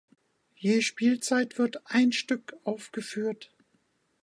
Je Spielzeit wird ein Stück aufgeführt.